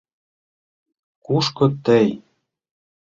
— Кушко тый?